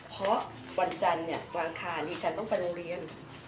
เพราะวันจันทร์วันอังคารดิฉันต้องไปโรงเรียน